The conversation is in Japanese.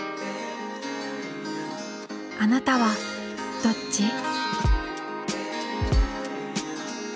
あなたはどっち？